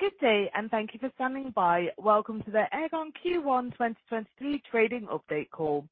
Good day, thank you for standing by. Welcome to the Aegon Q1 2023 trading update call.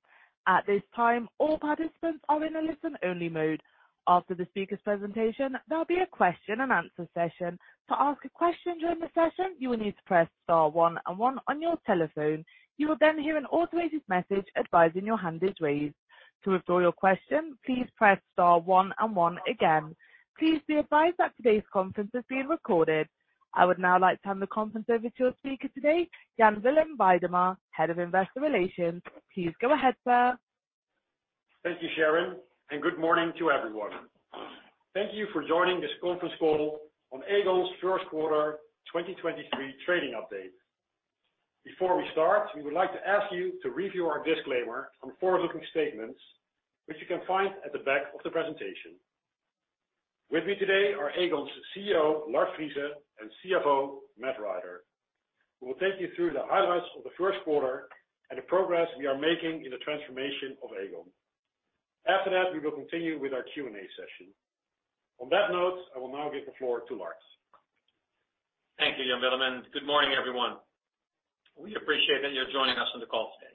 At this time, all participants are in a listen-only mode. After the speaker's presentation, there will be a question-and-answer session. To ask a question during the session, you will need to press star one one on your telephone. You will then hear an automated message advising your hand is raised. To withdraw your question, please press star one and one again. Please be advised that today's conference is being recorded. I would now like to hand the conference over to our speaker today, Jan Willem Weidema, Head of Investor Relations. Please go ahead, sir. Thank you, Sharon. Good morning to everyone. Thank you for joining this conference call on Aegon's first quarter 2023 trading update. Before we start, we would like to ask you to review our disclaimer on forward-looking statements, which you can find at the back of the presentation. With me today are Aegon's CEO, Lard Friese, and CFO, Matt Rider, who will take you through the highlights of the first quarter and the progress we are making in the transformation of Aegon. After that, we will continue with our Q&A session. On that note, I will now give the floor to Lard. Thank you, Jan Willem. Good morning, everyone. We appreciate that you're joining us on the call today.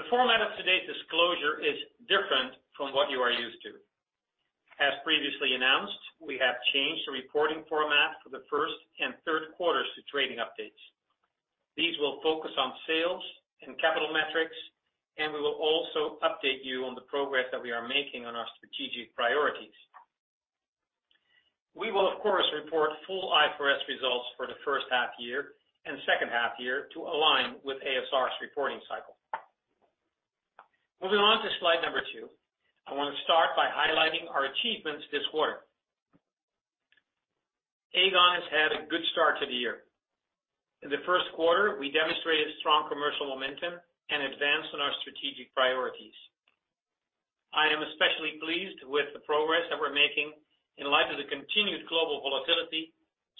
The format of today's disclosure is different from what you are used to. As previously announced, we have changed the reporting format for the first and third quarters to trading updates. These will focus on sales and capital metrics. We will also update you on the progress that we are making on our strategic priorities. We will, of course, report full IFRS results for the first half year and second half year to align with a.s.r.'s reporting cycle. Moving on to slide number two. I wanna start by highlighting our achievements this quarter. Aegon has had a good start to the year. In the first quarter, we demonstrated strong commercial momentum and advanced on our strategic priorities. I am especially pleased with the progress that we're making in light of the continued global volatility,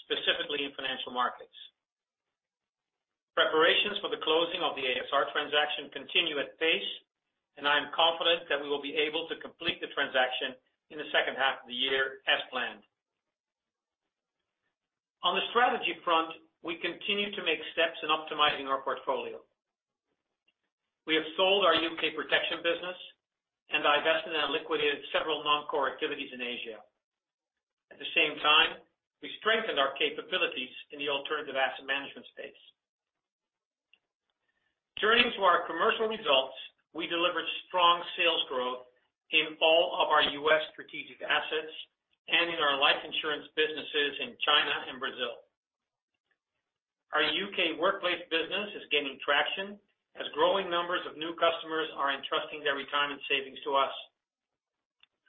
specifically in financial markets. Preparations for the closing of the a.s.r. transaction continue at pace, and I am confident that we will be able to complete the transaction in the second half of the year as planned. On the strategy front, we continue to make steps in optimizing our portfolio. We have sold our U.K. protection business and divested and liquidated several non-core activities in Asia. At the same time, we strengthened our capabilities in the alternative asset management space. Turning to our commercial results, we delivered strong sales growth in all of our U.S. strategic assets and in our life insurance businesses in China and Brazil. Our U.K. workplace business is gaining traction as growing numbers of new customers are entrusting their retirement savings to us.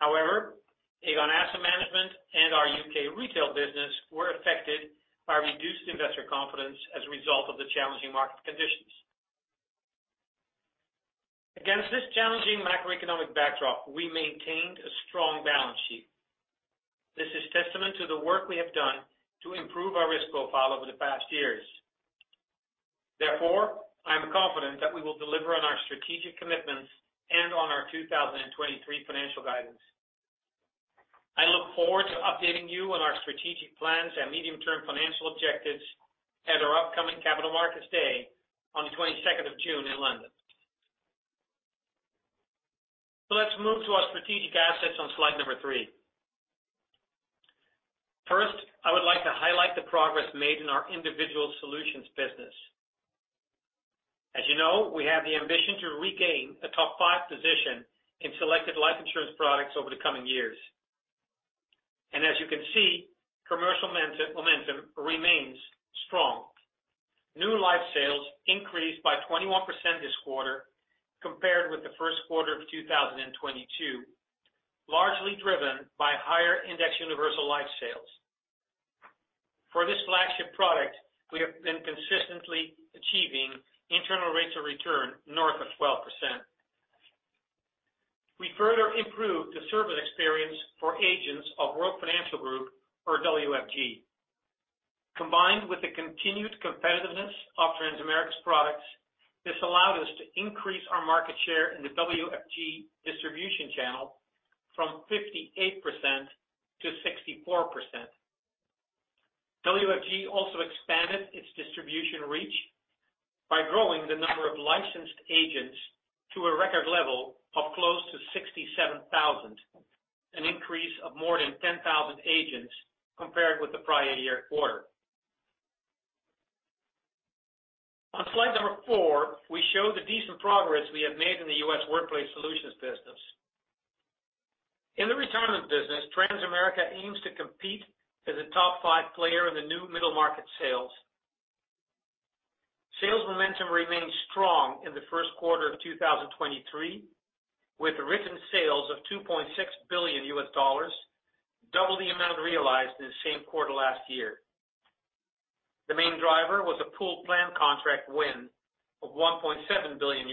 Aegon Asset Management and our UK retail business were affected by reduced investor confidence as a result of the challenging market conditions. Against this challenging macroeconomic backdrop, we maintained a strong balance sheet. This is testament to the work we have done to improve our risk profile over the past years. I am confident that we will deliver on our strategic commitments and on our 2023 financial guidance. I look forward to updating you on our strategic plans and medium-term financial objectives at our upcoming Capital Markets Day on the 22nd of June in London. Let's move to our strategic assets on slide number 3. First, I would like to highlight the progress made in our individual solutions business. As you know, we have the ambition to regain a top 5 position in selected life insurance products over the coming years. As you can see, commercial momentum remains strong. New life sales increased by 21% this quarter compared with the first quarter of 2022, largely driven by higher Indexed Universal Life sales. For this flagship product, we have been consistently achieving internal rates of return north of 12%. We further improved the service experience for agents of World Financial Group or WFG. Combined with the continued competitiveness of Transamerica's products, this allowed us to increase our market share in the WFG distribution channel from 58% to 64%. WFG also expanded its distribution reach by growing the number of licensed agents to a record level of close to 67,000, an increase of more than 10,000 agents compared with the prior year quarter. On slide number 4, we show the decent progress we have made in the U.S. workplace solutions business. In the retirement business, Transamerica aims to compete as a top five player in the new middle market sales. Sales momentum remained strong in the first quarter of 2023, with written sales of $2.6 billion, double the amount realized in the same quarter last year. The main driver was a pooled plan contract win of $1.7 billion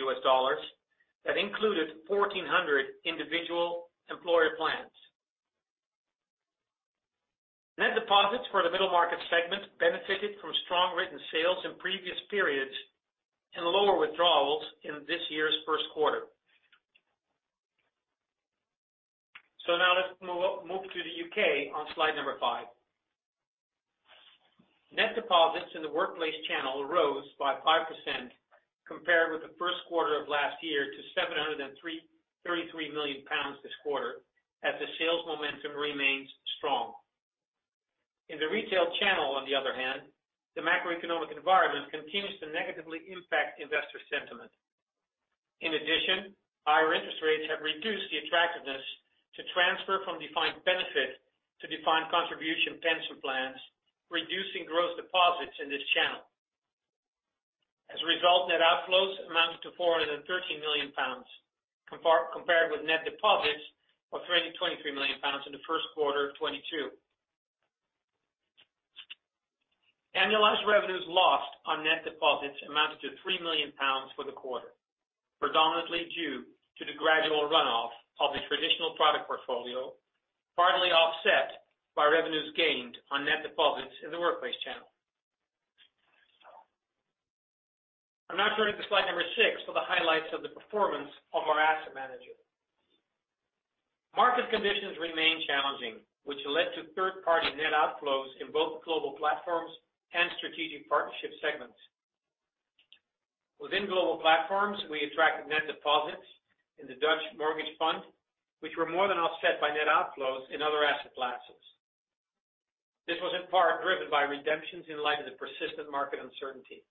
that included 1,400 individual employer plans. Net deposits for the middle market segment benefited from strong written sales in previous periods and lower withdrawals in this year's first quarter. Now let's move to the U.K. on slide number five. Net deposits in the workplace channel rose by 5% compared with the first quarter of last year to 733 million pounds this quarter, as the sales momentum remains strong. In the retail channel, on the other hand, the macroeconomic environment continues to negatively impact investor sentiment. In addition, higher interest rates have reduced the attractiveness to transfer from defined benefit to defined contribution pension plans, reducing gross deposits in this channel. As a result, net outflows amounted to 413 million pounds compared with net deposits of 33 million pounds in the first quarter of 2022. Annualized revenues lost on net deposits amounted to 3 million pounds for the quarter, predominantly due to the gradual runoff of the traditional product portfolio, partly offset by revenues gained on net deposits in the workplace channel. I'm now turning to slide number 6 for the highlights of the performance of our asset manager. Market conditions remain challenging, which led to third-party net outflows in both global platforms and strategic partnership segments. Within global platforms, we attracted net deposits in the Dutch Mortgage Fund, which were more than offset by net outflows in other asset classes. This was in part driven by redemptions in light of the persistent market uncertainty.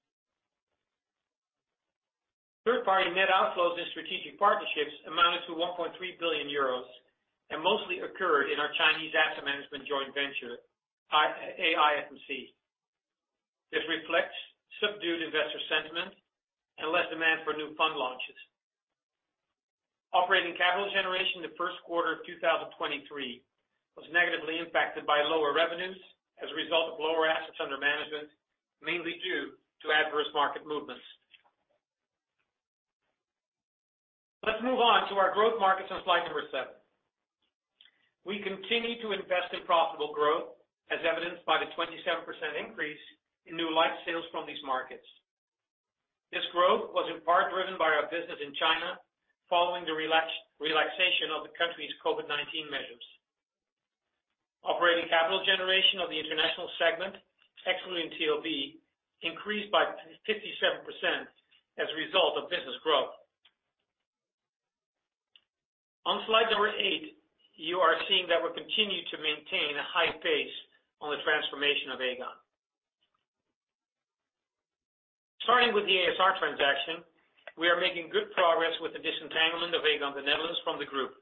Third-party net outflows in strategic partnerships amounted to 1.3 billion euros and mostly occurred in our Chinese asset management joint venture, AIFMC. This reflects subdued investor sentiment and less demand for new fund launches. Operating capital generation in the first quarter of 2023 was negatively impacted by lower revenues as a result of lower assets under management, mainly due to adverse market movements. Let's move on to our growth markets on slide number 7. We continue to invest in profitable growth, as evidenced by the 27% increase in new life sales from these markets. This growth was in part driven by our business in China following the relaxation of the country's COVID-19 measures. Operating capital generation of the international segment, excluding TOB, increased by 57% as a result of business growth. On slide number 8, you are seeing that we continue to maintain a high pace on the transformation of Aegon. Starting with the a.s.r. transaction, we are making good progress with the disentanglement of Aegon the Netherlands from the group.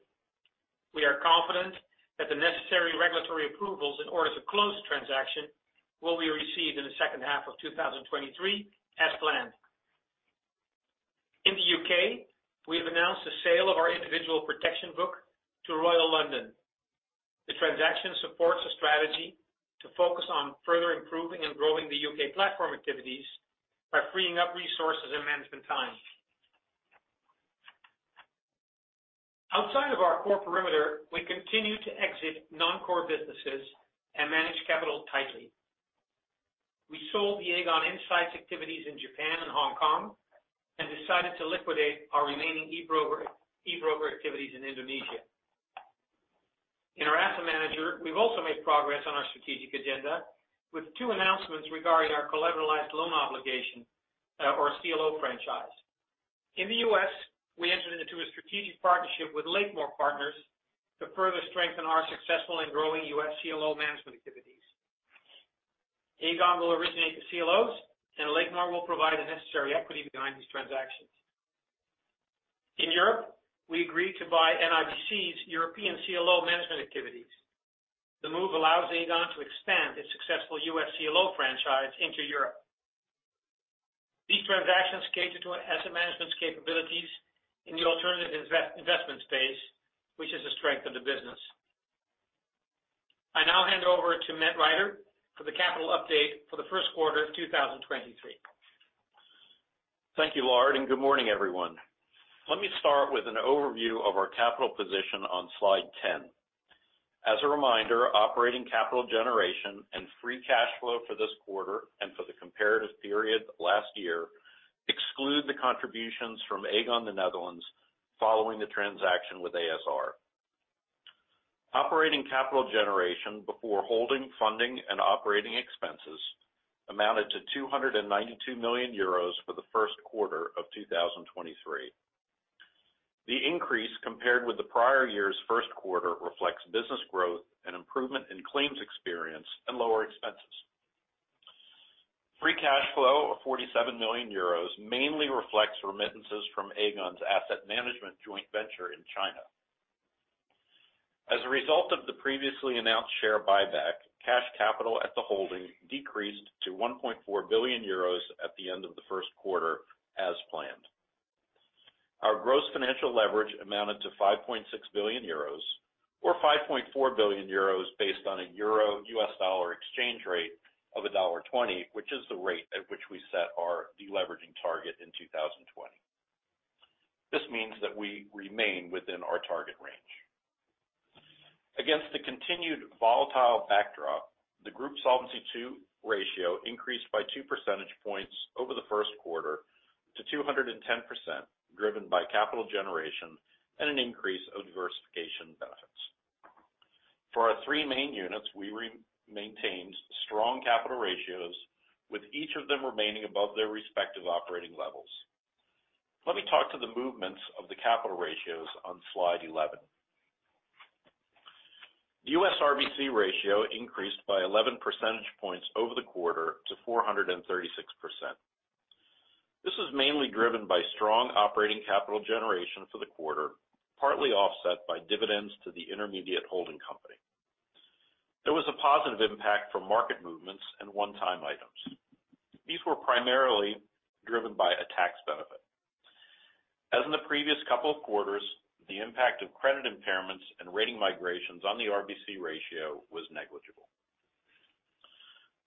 We are confident that the necessary regulatory approvals in order to close the transaction will be received in the second half of 2023 as planned. In the UK, we have announced the sale of our individual protection book to Royal London. The transaction supports a strategy to focus on further improving and growing the UK platform activities by freeing up resources and management time. Outside of our core perimeter, we continue to exit non-core businesses and manage capital tightly. We sold the Aegon Insights activities in Japan and Hong Kong and decided to liquidate our remaining e-broker activities in Indonesia. In our asset manager, we've also made progress on our strategic agenda with two announcements regarding our collateralized loan obligation or CLO franchise. In the U.S., we entered into a strategic partnership with Lakemore Partners to further strengthen our successful and growing U.S. CLO management activities. Aegon will originate the CLOs, and Lakemore will provide the necessary equity behind these transactions. In Europe, we agreed to buy NIBC's European CLO management activities. The move allows Aegon to expand its successful U.S. CLO franchise into Europe. These transactions cater to asset management's capabilities in the alternative investment space, which is the strength of the business. I now hand over to Matt Rider for the capital update for the first quarter of 2023. Thank you, Lard. Good morning, everyone. Let me start with an overview of our capital position on slide 10. As a reminder, operating capital generation and free cash flow for this quarter and for the comparative period last year exclude the contributions from Aegon the Netherlands, following the transaction with a.s.r. Operating capital generation before holding, funding, and operating expenses amounted to 292 million euros for the first quarter of 2023. The increase compared with the prior year's first quarter reflects business growth and improvement in claims experience and lower expenses. Free cash flow of 47 million euros mainly reflects remittances from Aegon's Asset Management joint venture in China. As a result of the previously announced share buyback, cash capital at the holding decreased to 1.4 billion euros at the end of the first quarter as planned. Our gross financial leverage amounted to 5.6 billion euros or 5.4 billion euros based on a Euro-U.S. dollar exchange rate of $1.20, which is the rate at which we set our deleveraging target in 2020. This means that we remain within our target range. Against the continued volatile backdrop, the group Solvency II ratio increased by 2 percentage points over the first quarter to 210%, driven by capital generation and an increase of diversification benefits. For our 3 main units, we re-maintained strong capital ratios, with each of them remaining above their respective operating levels. Let me talk to the movements of the capital ratios on slide 11. U.S. RBC ratio increased by 11 percentage points over the quarter to 436%. This was mainly driven by strong operating capital generation for the quarter, partly offset by dividends to the intermediate holding company. There was a positive impact from market movements and one-time items. These were primarily driven by a tax benefit. As in the previous couple of quarters, the impact of credit impairments and rating migrations on the RBC ratio was negligible.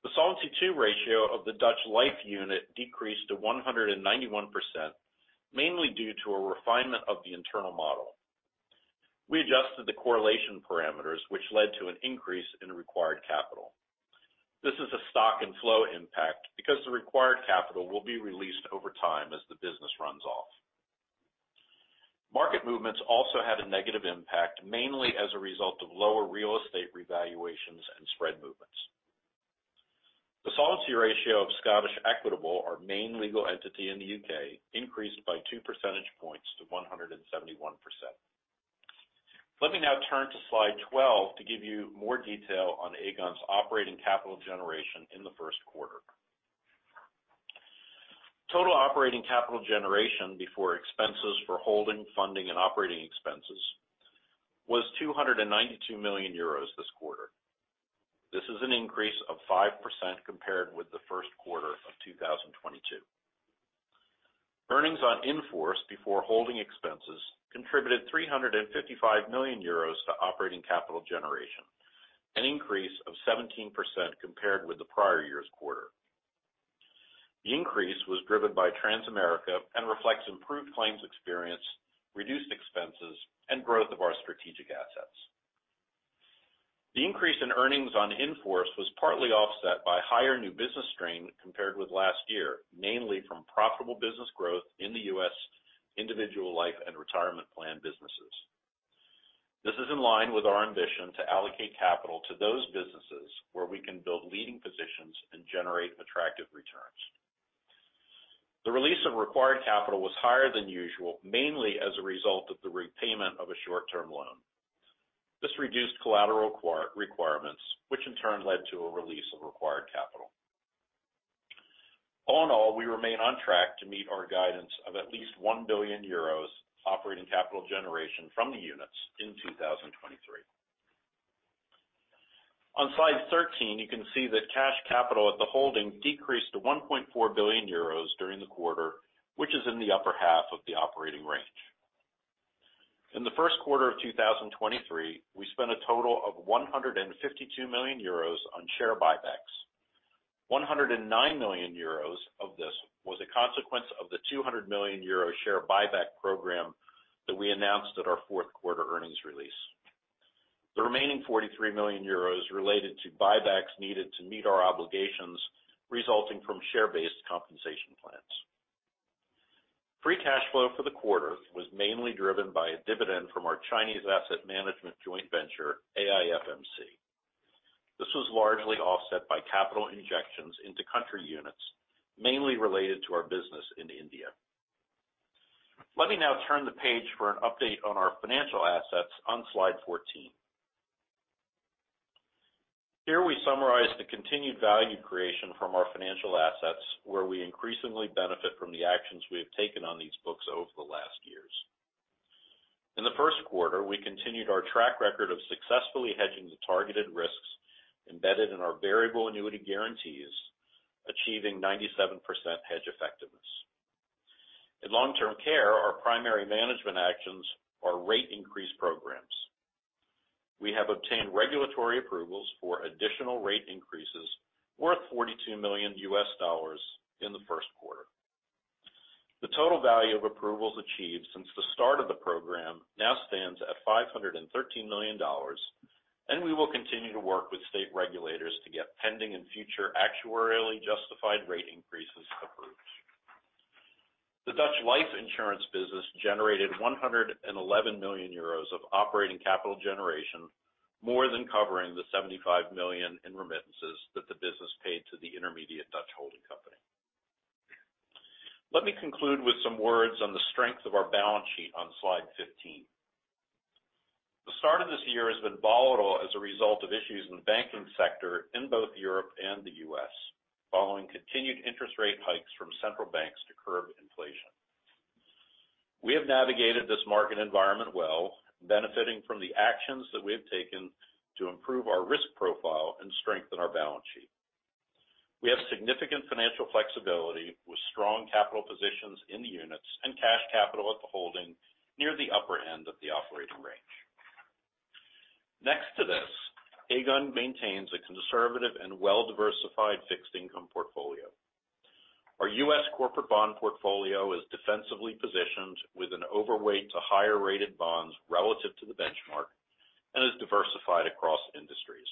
The Solvency II ratio of the Dutch Life unit decreased to 191%, mainly due to a refinement of the internal model. We adjusted the correlation parameters, which led to an increase in required capital. This is a stock and flow impact because the required capital will be released over time as the business runs off. Market movements had a negative impact, mainly as a result of lower real estate revaluations and spread movements. The solvency ratio of Scottish Equitable, our main legal entity in the UK, increased by 2 percentage points to 171%. Let me now turn to slide 12 to give you more detail on Aegon's operating capital generation in the first quarter. Total operating capital generation before expenses for holding, funding, and operating expenses was 292 million euros this quarter. This is an increase of 5% compared with the first quarter of 2022. Earnings on in-force before holding expenses contributed 355 million euros to operating capital generation, an increase of 17% compared with the prior year's quarter. The increase was driven by Transamerica and reflects improved claims experience, reduced expenses, and growth of our strategic assets. The increase in earnings on in-force was partly offset by higher new business strain compared with last year, mainly from profitable business growth in the U.S. individual life and retirement plan businesses. This is in line with our ambition to allocate capital to those businesses where we can build leading positions and generate attractive returns. The release of required capital was higher than usual, mainly as a result of the repayment of a short-term loan. This reduced collateral requirements, which in turn led to a release of required capital. All in all, we remain on track to meet our guidance of at least 1 billion euros operating capital generation from the units in 2023. On slide 13, you can see that cash capital at the holding decreased to 1.4 billion euros during the quarter, which is in the upper half of the operating range. In the first quarter of 2023, we spent a total of 152 million euros on share buybacks. 109 million euros of this was a consequence of the 200 million euro share buyback program that we announced at our fourth quarter earnings release. The remaining 43 million euros related to buybacks needed to meet our obligations resulting from share-based compensation plans. Free cash flow for the quarter was mainly driven by a dividend from our Chinese asset management joint venture, AIFMC. This was largely offset by capital injections into country units, mainly related to our business in India. Let me now turn the page for an update on our financial assets on slide 14. Here we summarize the continued value creation from our financial assets, where we increasingly benefit from the actions we have taken on these books over the last years. In the first quarter, we continued our track record of successfully hedging the targeted risks embedded in our variable annuity guarantees, achieving 97% hedge effectiveness. In long-term care, our primary management actions are rate increase programs. We have obtained regulatory approvals for additional rate increases worth $42 million in the first quarter. The total value of approvals achieved since the start of the program now stands at $513 million, and we will continue to work with state regulators to get pending and future actuarially justified rate increases approved. The Dutch life insurance business generated 111 million euros of operating capital generation, more than covering the 75 million in remittances that the business paid to the intermediate Dutch holding company. Let me conclude with some words on the strength of our balance sheet on slide 15. The start of this year has been volatile as a result of issues in the banking sector in both Europe and the U.S., following continued interest rate hikes from central banks to curb inflation. We have navigated this market environment well, benefiting from the actions that we have taken to improve our risk profile and strengthen our balance sheet. We have significant financial flexibility with strong capital positions in the units and cash capital at the holding near the upper end of the operating range. Next to this, Aegon maintains a conservative and well-diversified fixed income portfolio. Our U.S. corporate bond portfolio is defensively positioned with an overweight to higher rated bonds relative to the benchmark and is diversified across industries.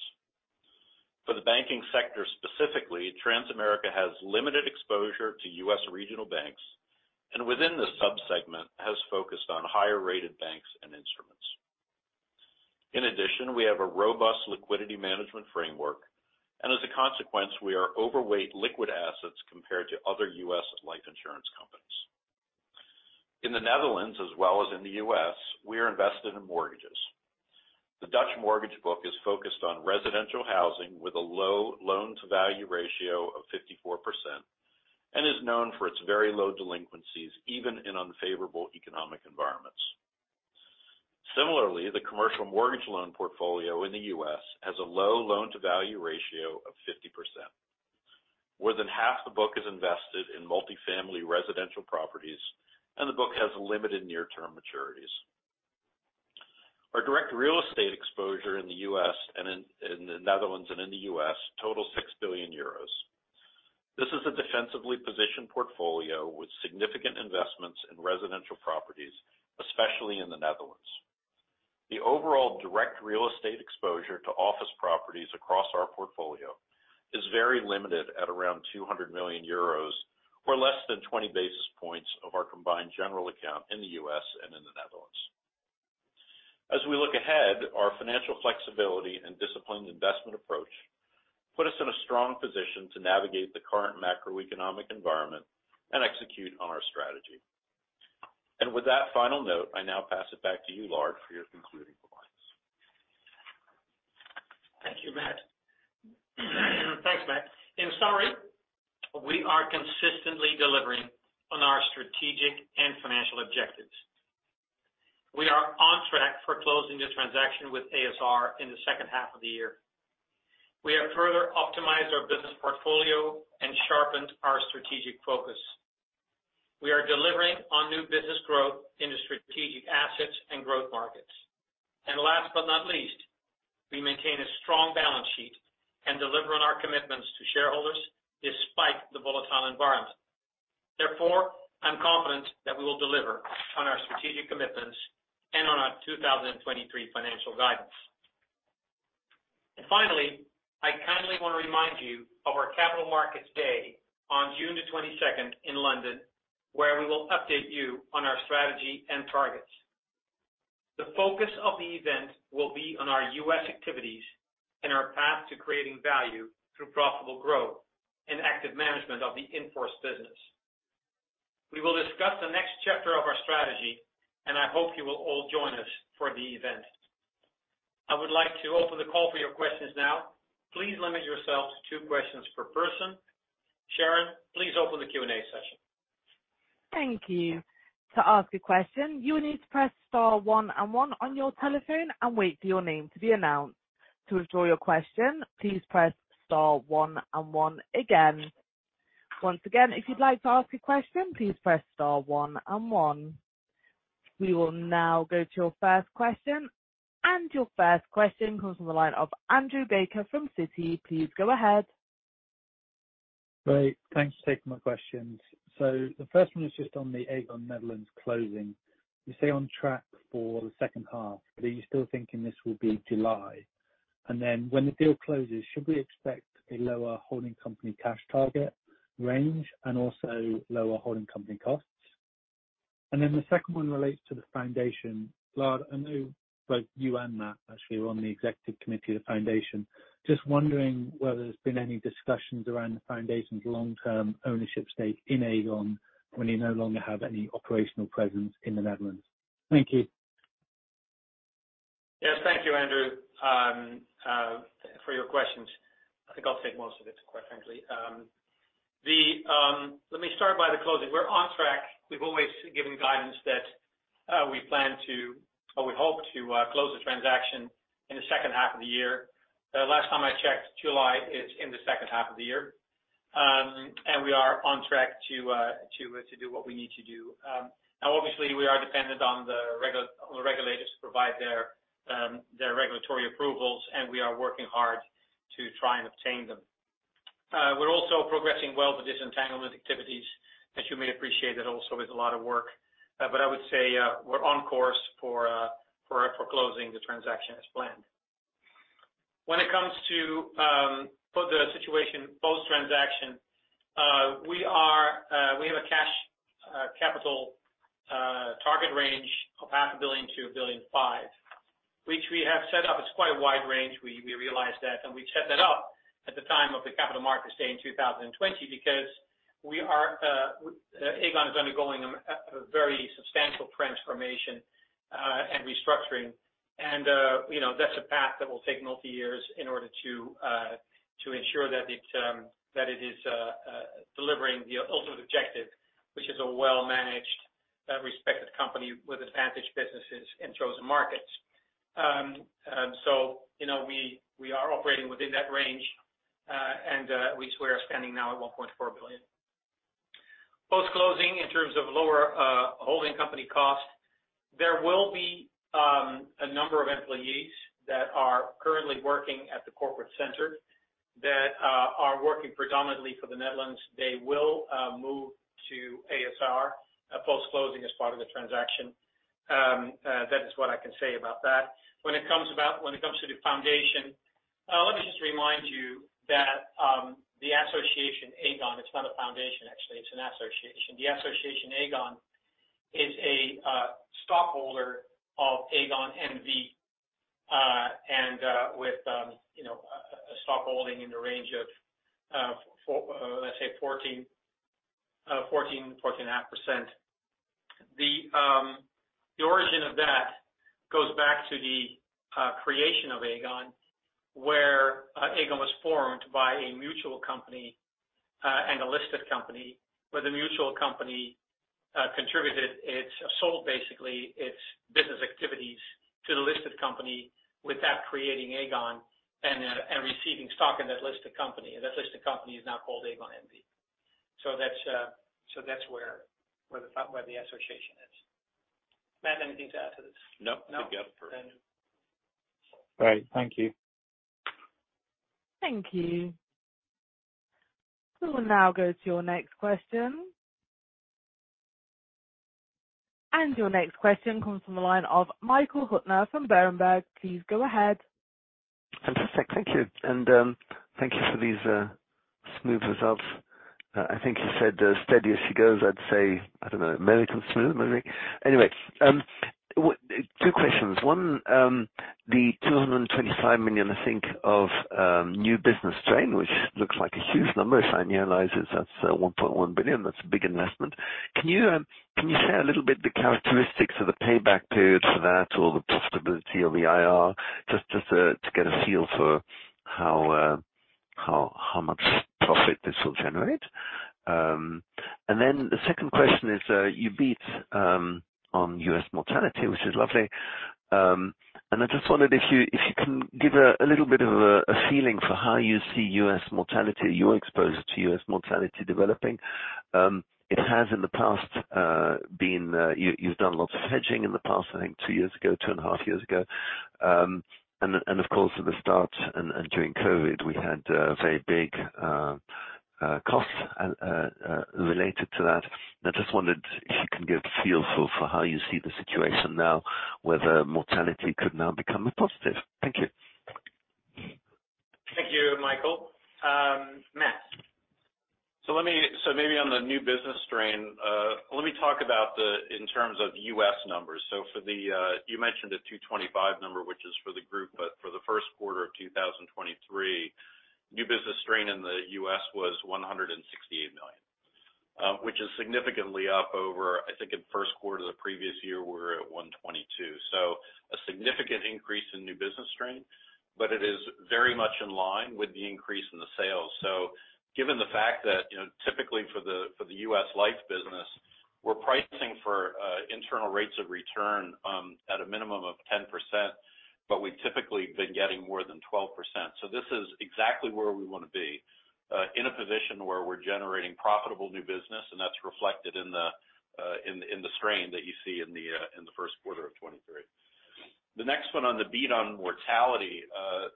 For the banking sector specifically, Transamerica has limited exposure to U.S. regional banks, and within this subsegment has focused on higher rated banks and instruments. In addition, we have a robust liquidity management framework and as a consequence, we are overweight liquid assets compared to other U.S. life insurance companies. In the Netherlands, as well as in the U.S., we are invested in mortgages. The Dutch mortgage book is focused on residential housing with a low loan to value ratio of 54%, and is known for its very low delinquencies, even in unfavorable economic environments. Similarly, the commercial mortgage loan portfolio in the U.S. has a low loan to value ratio of 50%. More than half the book is invested in multifamily residential properties. The book has limited near-term maturities. Our direct real estate exposure in the U.S. and in the Netherlands and in the U.S. totals 6 billion euros. This is a defensively positioned portfolio with significant investments in residential properties, especially in the Netherlands. The overall direct real estate exposure to office properties across our portfolio is very limited at around 200 million euros or less than 20 basis points of our combined general account in the U.S. and in the Netherlands. As we look ahead, our financial flexibility and disciplined investment approach put us in a strong position to navigate the current macroeconomic environment and execute on our strategy. With that final note, I now pass it back to you, Lard, for your concluding remarks. Thank you, Matt. Thanks, Matt. In summary, we are consistently delivering on our strategic and financial objectives. We are on track for closing the transaction with a.s.r. in the second half of the year. We have further optimized our business portfolio and sharpened our strategic focus. We are delivering on new business growth in the strategic assets and growth markets. Last but not least, we maintain a strong balance sheet and deliver on our commitments to shareholders despite the volatile environment. Therefore, I'm confident that we will deliver on our strategic commitments and on our 2023 financial guidance. Finally, I kindly want to remind you of our Capital Markets Day on June 22nd in London, where we will update you on our strategy and targets. The focus of the event will be on our U.S. activities and our path to creating value through profitable growth and active management of the in-force business. We will discuss the next chapter of our strategy, and I hope you will all join us for the event. I would like to open the call for your questions now. Please limit yourself to two questions per person. Sharon, please open the Q&A session. Thank you. To ask a question, you will need to press star one and one on your telephone and wait for your name to be announced. To withdraw your question, please press star one and one again. Once again, if you'd like to ask a question, please press star one and one. We will now go to your first question. Your first question comes from the line of Andrew Baker from Citi. Please go ahead. Great. Thanks for taking my questions. The first one is just on the Aegon the Netherlands closing. You say on track for the second half, but are you still thinking this will be July? Then when the deal closes, should we expect a lower holding company cash target range and also lower holding company costs? The second one relates to the Foundation. Lard, I know both you and Matt, actually, are on the executive committee of the Foundation. Just wondering whether there's been any discussions around the Foundation's long-term ownership stake in Aegon when you no longer have any operational presence in the Netherlands. Thank you. Yes. Thank you, Andrew, for your questions. I think I'll take most of it, quite frankly. Let me start by the closing. We're on track. We've always given guidance that we plan to or we hope to close the transaction in the second half of the year. Last time I checked, July is in the second half of the year. We are on track to do what we need to do. Now obviously, we are dependent on the regulators to provide their regulatory approvals, and we are working hard to try and obtain them. We're also progressing well with disentanglement activities that you may appreciate it also is a lot of work. I would say, we're on course for closing the transaction as planned. When it comes to for the situation post-transaction, we have a cash capital target range of half a billion to 1.5 billion, which we have set up. It's quite a wide range. We realized that, we set that up at the time of the Capital Markets Day in 2020 because Aegon is undergoing a very substantial transformation and restructuring. You know, that's a path that will take multi years in order to ensure that it is delivering the ultimate objective, which is a well-managed, respected company with advantage businesses in chosen markets. You know, we are operating within that range, which we are standing now at 1.4 billion. Post-closing in terms of lower holding company costs. There will be a number of employees that are currently working at the corporate center that are working predominantly for the Netherlands. They will move to a.s.r. post-closing as part of the transaction. That is what I can say about that. When it comes to the foundation, let me just remind you that the Vereniging Aegon, it's not a foundation actually, it's an association. The Vereniging Aegon is a stockholder of Aegon N.V. and with, you know, a stockholding in the range of 14.5%. The origin of that goes back to the creation of Aegon, where Aegon was formed by a mutual company and a listed company, where the mutual company sold basically its business activities to the listed company without creating Aegon and receiving stock in that listed company. That listed company is now called Aegon N.V. That's where the association is. Matt, anything to add to this? No. No. You got it perfect. Then... Right. Thank you. Thank you. We will now go to your next question. Your next question comes from the line of Michael Huttner from Berenberg. Please go ahead. Fantastic. Thank you. Thank you for these smooth results. I think you said steady as she goes. I'd say, I don't know, American smooth, maybe. Anyway, two questions. One, the 225 million, I think, of new business strain, which looks like a huge number. If I annualize it, that's 1.1 billion, that's a big investment. Can you share a little bit the characteristics of the payback period for that or the profitability or the IRR? Just to get a feel for how much profit this will generate. The second question is, you beat on U.S. mortality, which is lovely. I just wondered if you can give a little bit of a feeling for how you see U.S. mortality, you're exposed to U.S. mortality developing. You've done lots of hedging in the past, I think 2 years ago, 2 and a half years ago. Of course, at the start and during COVID, we had very big costs related to that. I just wondered if you can give a feel for how you see the situation now, whether mortality could now become a positive. Thank you. Thank you, Michael. Matt. Maybe on the new business strain, let me talk about, in terms of the U.S. numbers. You mentioned the 225 number, which is for the group, but for the first quarter of 2023, new business strain in the U.S. was 168 million, which is significantly up over, I think in the first quarter of the previous year, we were at 122. A significant increase in new business strain, but it is very much in line with the increase in the sales. Given the fact that, you know, typically for the U.S. life business, we're pricing for internal rates of return, at a minimum of 10%, but we've typically been getting more than 12%. This is exactly where we wanna be, in a position where we're generating profitable new business, and that's reflected in the strain that you see in the first quarter of 2023. The next one on the beat on mortality.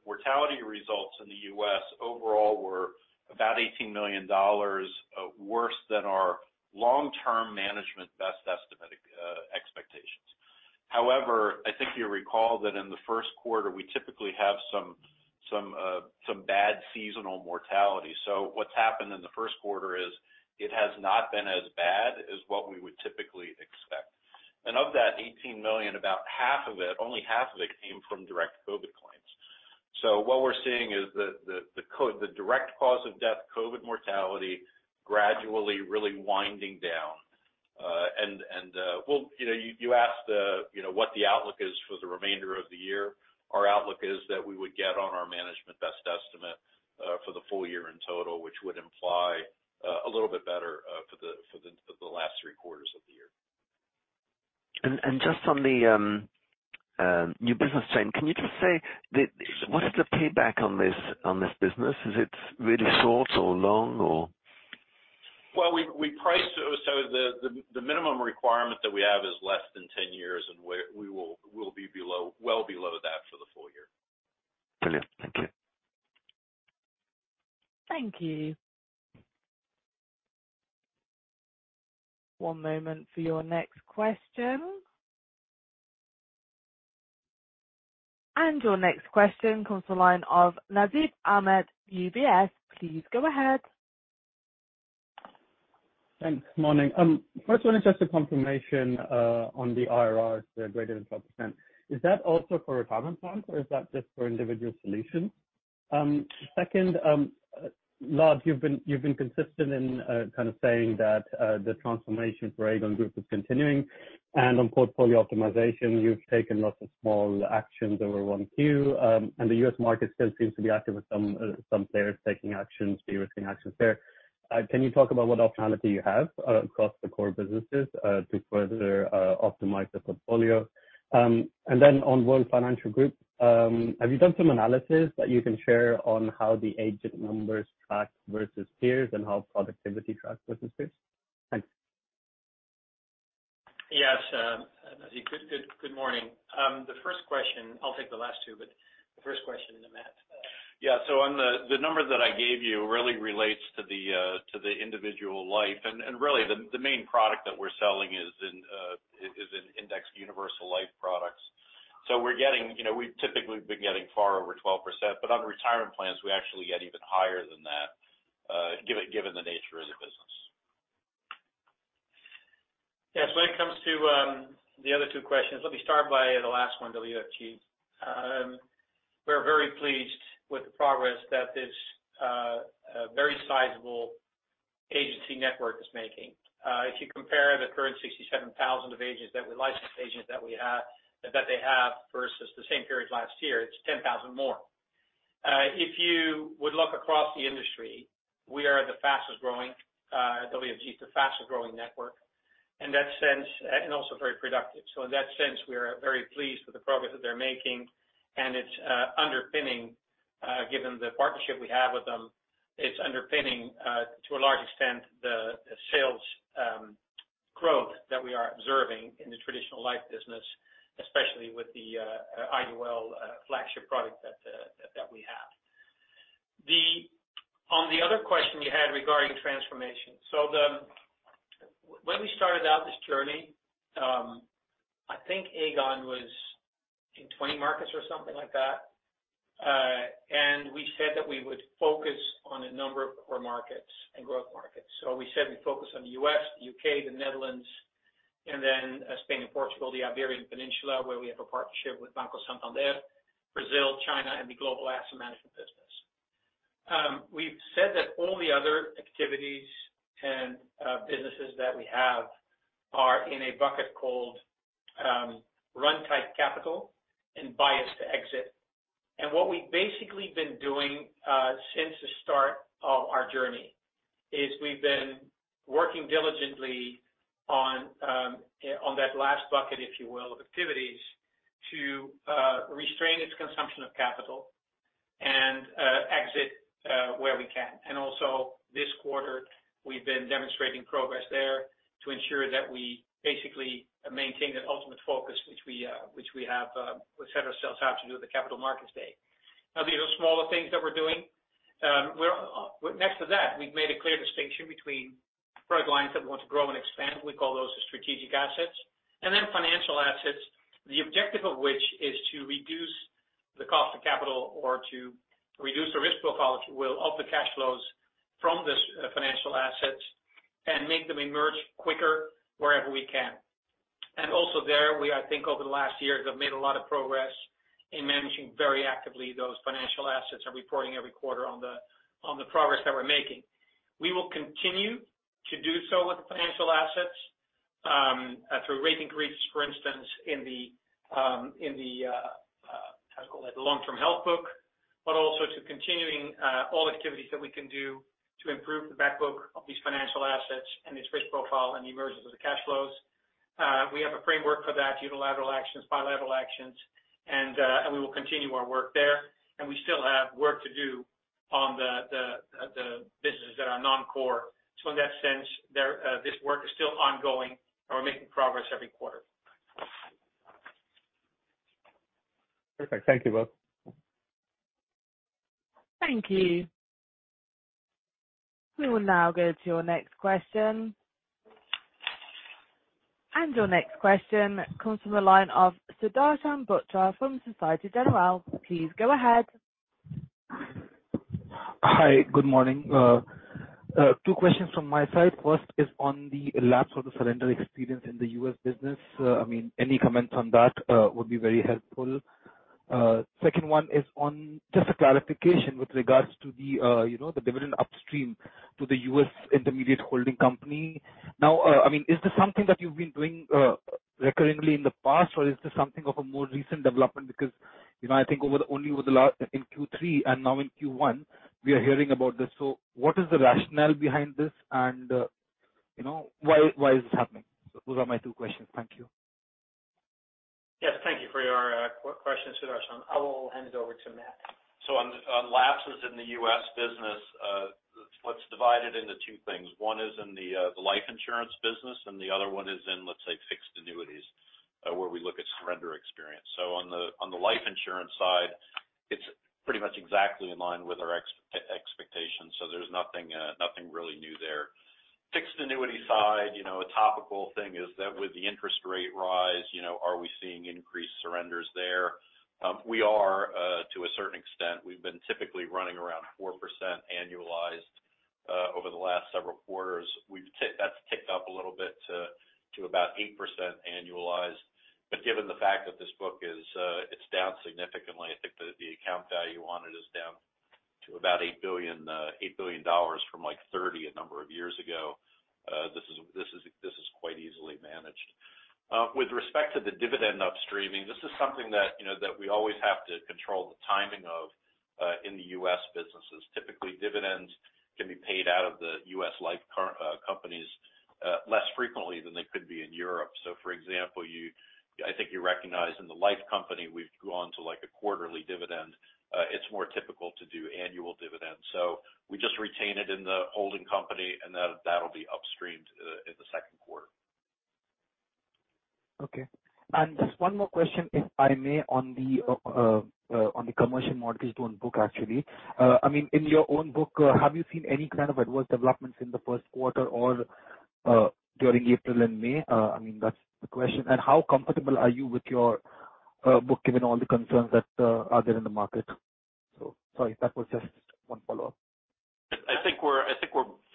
Mortality results in the U.S. overall were about $18 million worse than our long-term management best estimate expectations. However, I think you recall that in the first quarter, we typically have some bad seasonal mortality. What's happened in the first quarter is it has not been as bad as what we would typically expect. Of that $18 million, about half of it, only half of it came from direct COVID claims. What we're seeing is the direct cause of death, COVID mortality, gradually really winding down. Well, you know, you asked, you know, what the outlook is for the remainder of the year. Our outlook is that we would get on our management best estimate for the full year in total, which would imply a little bit better for the last three quarters of the year. Just on the new business trend, can you just say what is the payback on this business? Is it really short or long or? Well, we price... The minimum requirement that we have is less than 10 years, and we will be below, well below that for the full year. Brilliant. Thank you. Thank you. One moment for your next question. Your next question comes to the line of Naveed Ahmed, UBS. Please go ahead. Thanks. Morning. First one, just a confirmation on the IRRs, they're greater than 12%. Is that also for retirement plans or is that just for individual solutions? Second, Lard, you've been consistent in kind of saying that the transformation for Aegon Group is continuing and on portfolio optimization, you've taken lots of small actions over 1Q, and the U.S. market still seems to be active with some players taking actions, de-risking actions there. Can you talk about what optionality you have across the core businesses to further optimize the portfolio? On World Financial Group, have you done some analysis that you can share on how the agent numbers track versus peers and how productivity tracks versus peers? Thanks. Good morning. The first question, I'll take the last two, but the first question to Matt. The number that I gave you really relates to the individual life. And really the main product that we're selling is in Indexed Universal Life products. We're getting, you know, we've typically been getting far over 12%, but on retirement plans, we actually get even higher than that, given the nature of the business. Yes. When it comes to the other two questions, let me start by the last one, WFG. We're very pleased with the progress that this very sizable agency network is making. If you compare the current 67,000 of agents that licensed agents that we have, that they have versus the same period last year, it's 10,000 more. If you would look across the industry, we are the fastest growing, WFG is the fastest growing network in that sense, and also very productive. In that sense, we are very pleased with the progress that they're making, and it's underpinning, given the partnership we have with them. It's underpinning to a large extent, the sales growth that we are observing in the traditional life business, especially with the IUL flagship product that that we have. On the other question you had regarding transformation. When we started out this journey, I think Aegon was in 20 markets or something like that. We said that we would focus on a number of core markets and growth markets. We said we'd focus on the U.S., UK, the Netherlands, and then Spain and Portugal, the Iberian Peninsula, where we have a partnership with Banco Santander, Brazil, China, and the global asset management business. We've said that all the other activities and businesses that we have are in a bucket called run type capital and bias to exit. What we've basically been doing since the start of our journey is we've been working diligently on that last bucket, if you will, of activities to restrain its consumption of capital and exit where we can. This quarter, we've been demonstrating progress there to ensure that we basically maintain that ultimate focus which we which we have set ourselves out to do at the Capital Markets Day. These are smaller things that we're doing. Next to that, we've made a clear distinction between product lines that we want to grow and expand. We call those strategic assets. Financial assets, the objective of which is to reduce the cost of capital or to reduce the risk profile, if you will, of the cash flows from this financial assets and make them emerge quicker wherever we can. Also there, we, I think over the last years, have made a lot of progress in managing very actively those financial assets and reporting every quarter on the progress that we're making. We will continue to do so with the financial assets, through rate increase, for instance, in the how to call it, long-term health book, but also to continuing all activities that we can do to improve the back book of these financial assets and its risk profile and the emergence of the cash flows. We have a framework for that, unilateral actions, bilateral actions, and we will continue our work there. We still have work to do on the businesses that are non-core. In that sense, there, this work is still ongoing, and we're making progress every quarter. Perfect. Thank you, both. Thank you. We will now go to your next question. Your next question comes from the line of Sudarshan Bhutra from Société Générale. Please go ahead. Hi. Good morning. Two questions from my side. First is on the lapse of the surrender experience in the U.S. business. I mean, any comments on that would be very helpful. Second one is on just a clarification with regards to the, you know, the dividend upstream to the U.S. intermediate holding company. Now, I mean, is this something that you've been doing recurringly in the past, or is this something of a more recent development? You know, I think over the only with the last in Q3 and now in Q1, we are hearing about this. What is the rationale behind this? You know, why is this happening? Those are my two questions. Thank you. Yes. Thank you for your questions, Sudarshan. I will hand it over to Matt. On lapses in the U.S. business, what's divided into two things. One is in the life insurance business, and the other one is in, let's say, Fixed Annuities, where we look at surrender experience. On the life insurance side, it's pretty much exactly in line with our expectation. There's nothing really new there. Fixed Annuity side, you know, a topical thing is that with the interest rate rise, you know, are we seeing increased surrenders there? We are to a certain extent. We've been typically running around 4% annualized over the last several quarters. That's ticked up a little bit to about 8% annualized. Given the fact that this book is, it's down significantly, I think that the account value on it is down to about $8 billion from, like, 30 a number of years ago. This is quite easily managed. With respect to the dividend upstreaming, this is something that, you know, that we always have to control the timing of. In the U.S. businesses. Typically, dividends can be paid out of the U.S. life companies less frequently than they could be in Europe. For example, I think you recognize in the life company we've gone to like a quarterly dividend. It's more typical to do annual dividends. We just retain it in the holding company, and that'll be upstreamed in the second quarter. Okay. Just one more question, if I may, on the commercial mortgage loan book, actually. I mean, in your own book, have you seen any kind of adverse developments in the first quarter or during April and May? I mean, that's the question. How comfortable are you with your book, given all the concerns that are there in the market? Sorry, that was just one follow-up. I think we're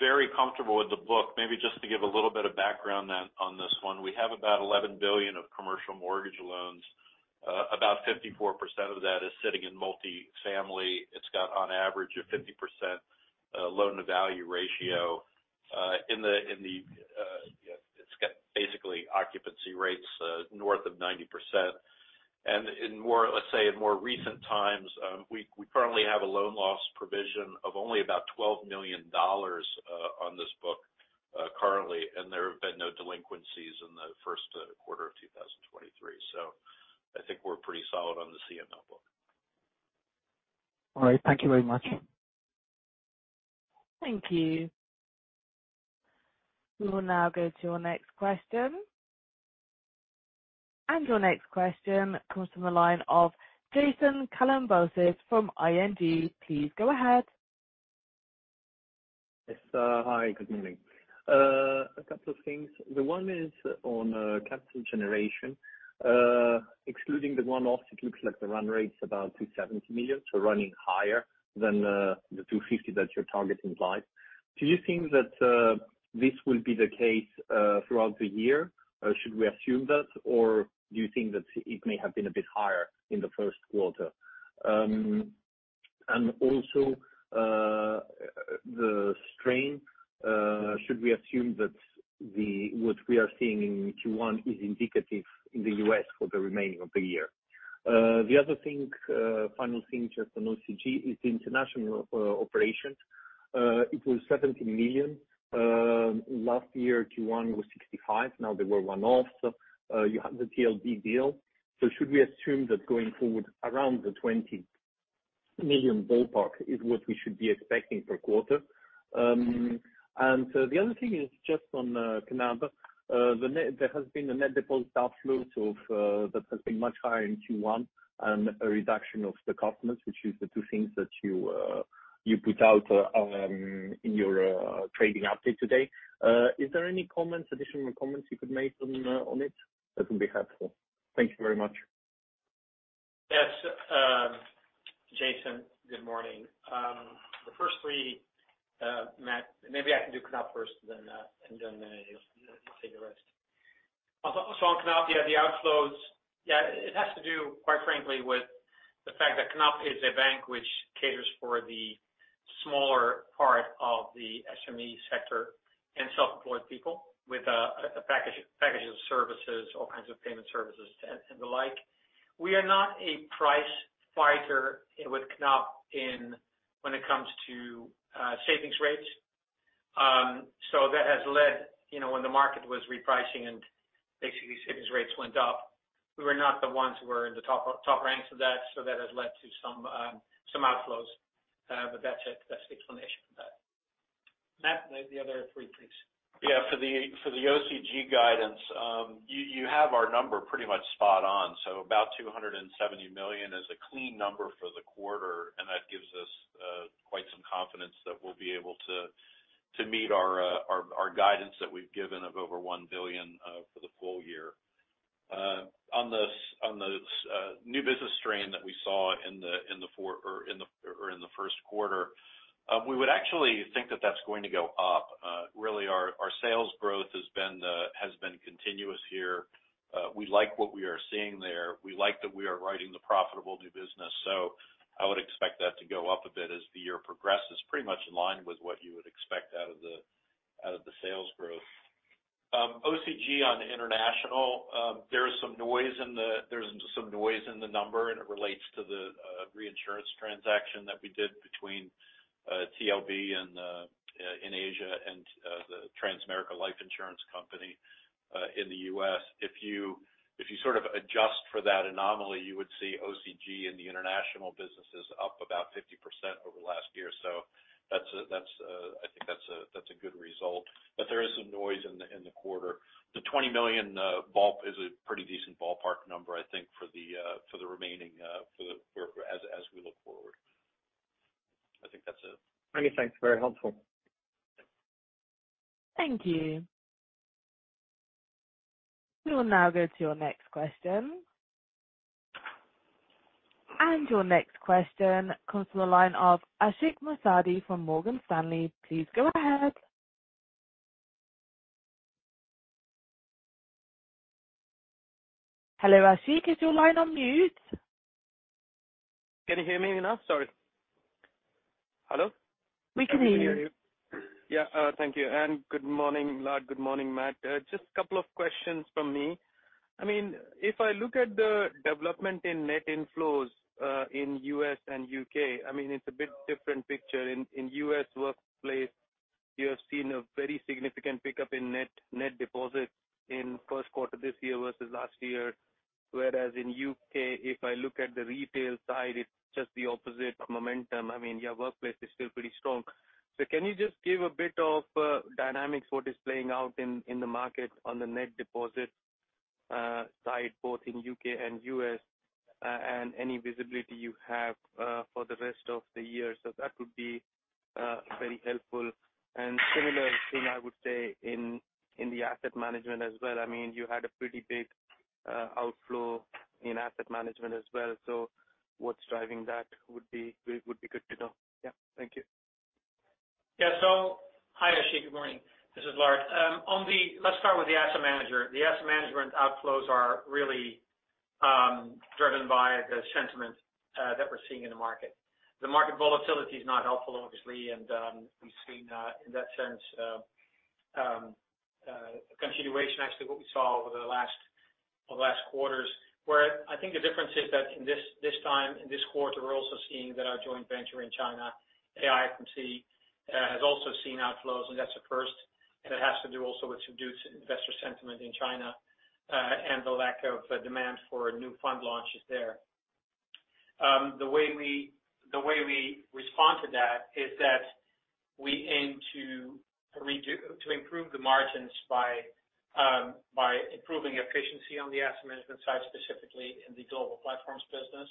very comfortable with the book. Maybe just to give a little bit of background then on this one. We have about 11 billion of commercial mortgage loans. About 54% of that is sitting in multifamily. It's got on average a 50% loan-to-value ratio. It's got basically occupancy rates north of 90%. In more, let's say in more recent times, we currently have a loan loss provision of only about $12 million on this book currently. There have been no delinquencies in the first quarter of 2023. I think we're pretty solid on the CML book. All right. Thank you very much. Thank you. We will now go to your next question. Your next question comes from the line of Jason Kalamboussis from ING. Please go ahead. Yes. Hi, good morning. A couple of things. The one is on capital generation. Excluding the one-offs, it looks like the run rate's about 270 million, running higher than 250 that you're targeting life. Do you think that this will be the case throughout the year? Should we assume that, or do you think that it may have been a bit higher in the first quarter? Also, the strain, should we assume that what we are seeing in Q1 is indicative in the U.S. for the remaining of the year? The other thing, final thing, just on OCG is the international operations. It was 17 million. Last year, Q1 was 65 million. There were one-offs. You have the TLB deal. Should we assume that going forward around the 20 million ballpark is what we should be expecting per quarter? The other thing is just on Knab. There has been a net deposit outflow that has been much higher in Q1 and a reduction of the customers, which is the two things that you put out in your trading update today. Is there any comments, additional comments you could make on it? That would be helpful. Thank you very much. Yes. Jason, good morning. The first three, Matt, maybe I can do Knab first, then, and then, you'll take the rest. On Knab, yeah, the outflows. It has to do, quite frankly, with the fact that Knab is a bank which caters for the smaller part of the SME sector and self-employed people with a package of services, all kinds of payment services and the like. We are not a price fighter with Knab when it comes to savings rates. That has led, you know, when the market was repricing and basically savings rates went up, we were not the ones who were in the top ranks of that. That has led to some outflows. That's it. That's the explanation for that. Matt, the other three, please. Yeah. For the OCG guidance, you have our number pretty much spot on. About 270 million is a clean number for the quarter, and that gives us quite some confidence that we'll be able to meet our guidance that we've given of over 1 billion for the full year. On the new business strain that we saw in the first quarter, we would actually think that that's going to go up. Really our sales growth has been continuous here. We like what we are seeing there. We like that we are writing the profitable new business. I would expect that to go up a bit as the year progresses, pretty much in line with what you would expect out of the sales growth. OCG on international, there's some noise in the number, and it relates to the reinsurance transaction that we did between TLB in Asia and the Transamerica Life Insurance Company in the U.S. If you sort of adjust for that anomaly, you would see OCG in the international businesses up about 50% over last year. That's a, I think that's a good result. There is some noise in the quarter. The 20 million is a pretty decent ballpark number, I think for the remaining, for as we look forward. I think that's it. Okay, thanks. Very helpful. Thank you. We will now go to your next question. Your next question comes from the line of Ashik Musaddi from Morgan Stanley. Please go ahead. Hello, Ashik, is your line on mute? Can you hear me now? Sorry. Hello? We can hear you. Yeah. Thank you, and good morning, Lard. Good morning, Matt. Just a couple of questions from me. I mean, if I look at the development in net inflows, in U.S. and U.K., I mean, it's a bit different picture. In U.S. workplace, you have seen a very significant pickup in net deposits in first quarter this year versus last year. Whereas in U.K., if I look at the retail side, it's just the opposite of momentum. I mean, your workplace is still pretty strong. Can you just give a bit of dynamics, what is playing out in the market on the net deposit side, both in U.K. and U.S., and any visibility you have for the rest of the year? That would be very helpful. Similar thing I would say in the asset management as well. I mean, you had a pretty big outflow in asset management as well. What's driving that would be good to know. Yeah. Thank you. Yeah. Hi, Ashik, good morning. This is Lard. Let's start with the asset manager. The asset management outflows are really driven by the sentiment that we're seeing in the market. The market volatility is not helpful, obviously, and we've seen in that sense a continuation actually what we saw over the last quarters. Where I think the difference is that in this time, in this quarter, we're also seeing that our joint venture in China, AIFMC, has also seen outflows, and that's a first. It has to do also with subdued investor sentiment in China and the lack of demand for new fund launches there. The way we respond to that is that we aim to improve the margins by improving efficiency on the asset management side, specifically in the global platforms business,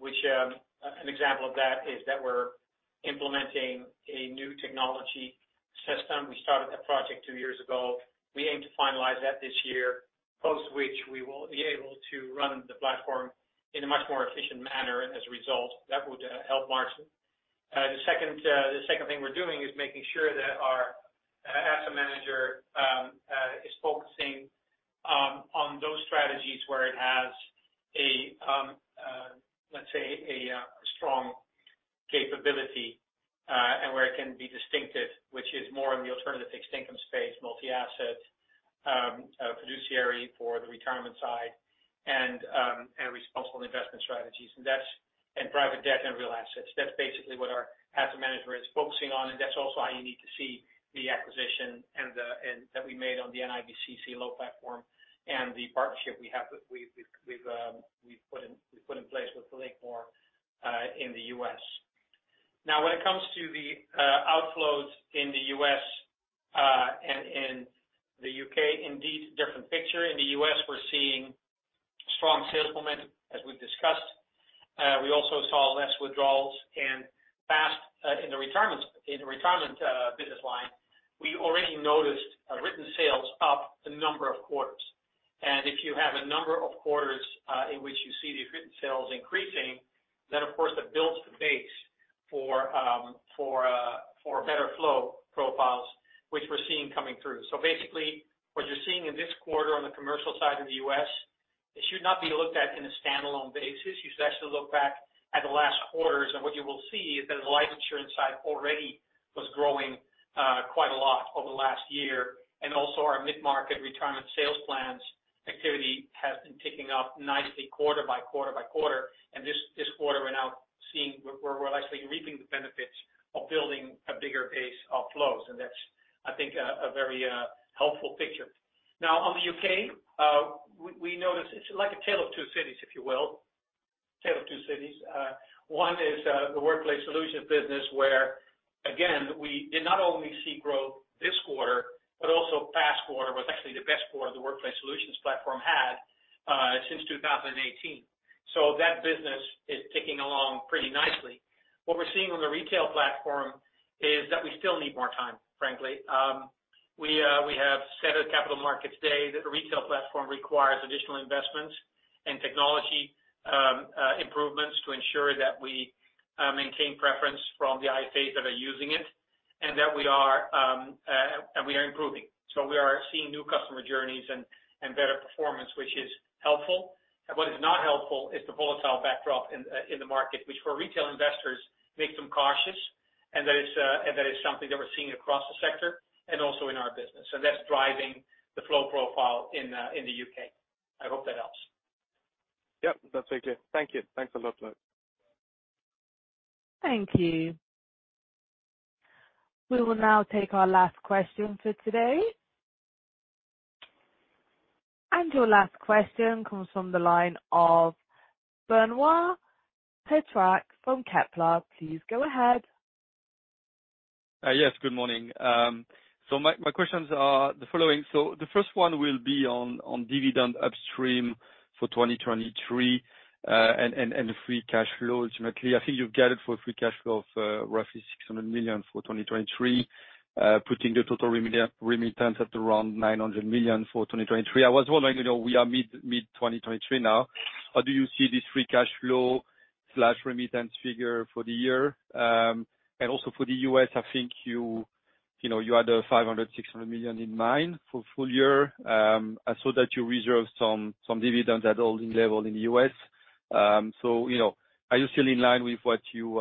which an example of that is that we're implementing a new technology system. We started that project 2 years ago. We aim to finalize that this year, post which we will be able to run the platform in a much more efficient manner. As a result, that would help margin. The second thing we're doing is making sure that our Asset Management is focusing on those strategies where it has a strong capability and where it can be distinctive, which is more in the alternative fixed income space, multi-asset, fiduciary for the retirement side and responsible investment strategies. Private debt and real assets. That's basically what our Asset Management is focusing on, and that's also how you need to see the acquisition and that we made on the NIBC CLO platform and the partnership we've put in place with Lakemore in the U.S. When it comes to the outflows in the U.S. and in the U.K., indeed different picture. In the U.S., we're seeing strong sales momentum, as we've discussed. We also saw less withdrawals. FAP, in the retirement business line, we already noticed written sales up a number of quarters. If you have a number of quarters in which you see the written sales increasing, then of course that builds the base for better flow profiles, which we're seeing coming through. Basically what you're seeing in this quarter on the commercial side of the U.S., it should not be looked at in a standalone basis. You should actually look back at the last quarters, and what you will see is that the life insurance side already was growing quite a lot over the last year. Also our mid-market retirement sales plans activity has been ticking up nicely quarter by quarter by quarter. This quarter we're now seeing. We're actually reaping the benefits of building a bigger base of flows. That's, I think, a very helpful picture. On the UK, we noticed it's like a tale of two cities, if you will. Tale of two cities. One is the workplace solutions business, where again, we did not only see growth this quarter, but also FAP quarter was actually the best quarter the workplace solutions platform had since 2018. That business is ticking along pretty nicely. What we're seeing on the retail platform is that we still need more time, frankly. We have said at Capital Markets Day that the retail platform requires additional investments and technology, improvements to ensure that we maintain preference from the IFAs that are using it and that we are and we are improving. We are seeing new customer journeys and better performance, which is helpful. What is not helpful is the volatile backdrop in the market, which for retail investors makes them cautious. That is and that is something that we're seeing across the sector and also in our business. That's driving the flow profile in the UK. I hope that helps. Yep, that's very clear. Thank you. Thanks a lot, Lard. Thank you. We will now take our last question for today. Your last question comes from the line of Benoît Pétrarque from Kepler. Please go ahead. Yes, good morning. My questions are the following. The first one will be on dividend upstream for 2023 and the free cash flows. You know, clearly I think you've guided for a free cash flow of roughly 600 million for 2023, putting the total remittance at around 900 million for 2023. I was wondering, you know, we are mid 2023 now, how do you see this free cash flow/remittance figure for the year? Also for the U.S., I think you know, you had 500 million-600 million in mind for full year, so that you reserve some dividends at holding level in the U.S. You know, are you still in line with what you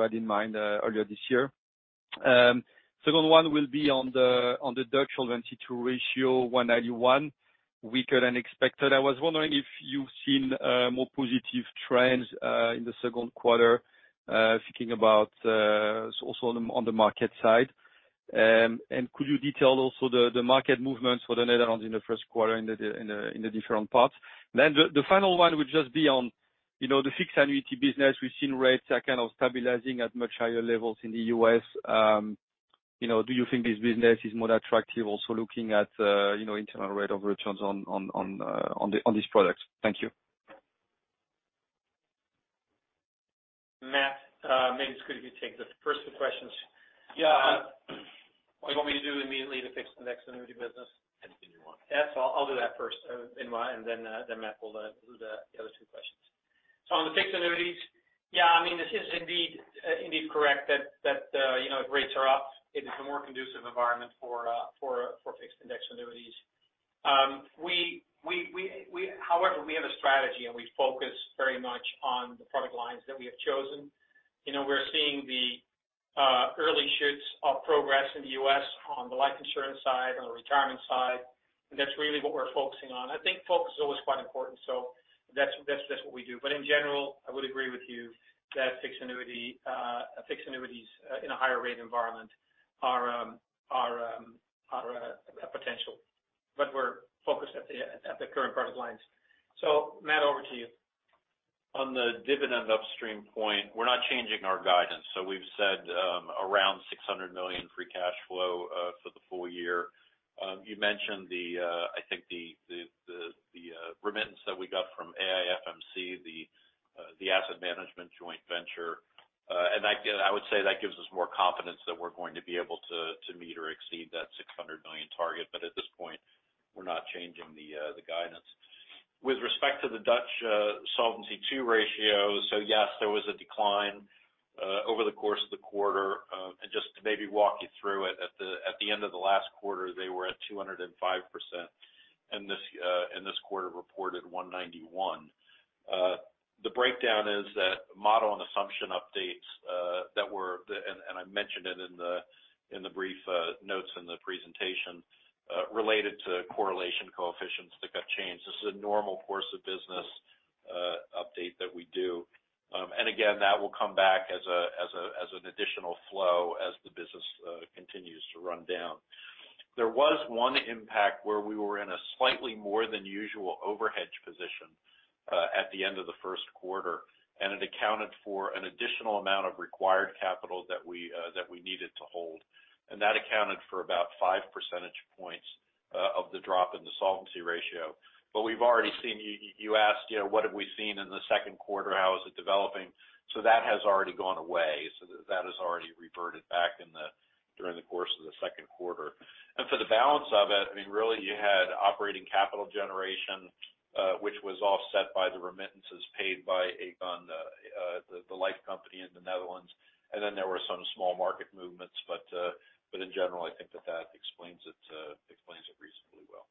had in mind earlier this year? Second one will be on the Dutch Solvency II ratio, 191%, weaker than expected. I was wondering if you've seen more positive trends in the second quarter, thinking about also on the market side. Could you detail also the market movements for the Netherlands in the first quarter in the different parts? The final one would just be on, you know, the fixed annuity business. We've seen rates are kind of stabilizing at much higher levels in the U.S. You know, do you think this business is more attractive also looking at, you know, internal rate of returns on these products? Thank you. Matt, maybe it's good if you take the first two questions. Yeah. What do you want me to do immediately to fix the next annuity business? Anything you want. Yes. I'll do that first in my... Then Matt will do the other two questions. On the Fixed Annuities, yeah, I mean, this is indeed correct that, you know, rates are up. It is a more conducive environment for fixed indexed annuities. However, we have a strategy, and we focus very much on the product lines that we have chosen. You know, we're seeing the early shoots of progress in the U.S. on the life insurance side, on the retirement side, and that's really what we're focusing on. I think focus is always quite important, so that's what we do. In general, I would agree with you that Fixed Annuities, in a higher rate environment are a potential. We're focused at the current product lines. Matt, over to you. On the dividend upstream point, we're not changing our guidance. We've said, around 600 million free cash flow for the full year. You mentioned the, I think the remittance that we got from AIFMC, the asset management joint venture. That I would say that gives us more confidence that we're going to be able to meet or exceed that 600 million target. At this point, we're not changing the guidance. With respect to the Dutch Solvency II ratio, yes, there was a decline over the course of the quarter. Just to maybe walk you through it, at the end of the last quarter, they were at 205%. This quarter reported 191%. The breakdown is that model and assumption updates. I mentioned it in the brief notes in the presentation, related to correlation coefficients that got changed. This is a normal course of business update that we do. Again, that will come back as an additional flow as the business continues to run down. There was one impact where we were in a slightly more than usual overhedge position at the end of the first quarter, and it accounted for an additional amount of required capital that we needed to hold. That accounted for about 5 percentage points of the drop in the solvency ratio. We've already seen you asked, you know, what have we seen in the second quarter? How is it developing? That has already gone away. That has already reverted back in the, during the course of the second quarter. For the balance of it, I mean, really you had operating capital generation, which was offset by the remittances paid by Aegon, the life company in the Netherlands. Then there were some small market movements. In general, I think that that explains it, explains it reasonably well.